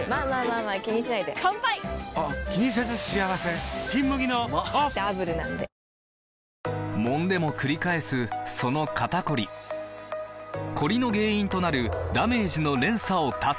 うまダブルなんでもんでもくり返すその肩こりコリの原因となるダメージの連鎖を断つ！